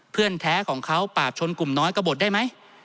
แท้ของเขาปราบชนกลุ่มน้อยก็บดได้ไหม